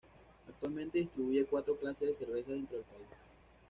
Actualmente distribuye cuatro clases de cerveza dentro del país.